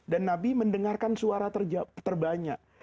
dan nabi mendengarkan suara terbanyak